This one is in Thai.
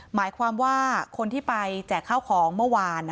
หมายความว่าคนที่ไปแจกข้าวของเมื่อวาน